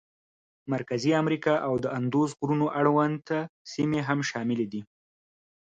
مرکزي امریکا او د اندوس غرونو اړونده سیمې هم شاملې دي.